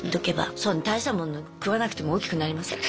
そんな大したもの食わなくても大きくなりますから。